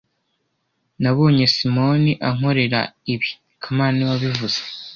Nabonye Simoni ankorera ibi kamana niwe wabivuze